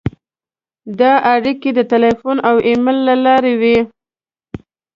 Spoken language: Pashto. دا اړیکې د تیلفون او ایمېل له لارې وې.